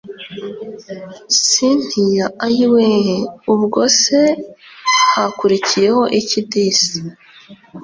cyntia ayiweeeeh! ubwose hakurikiyeho iki disi